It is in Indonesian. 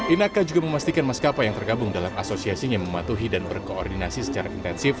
inaka juga memastikan maskapai yang tergabung dalam asosiasinya mematuhi dan berkoordinasi secara intensif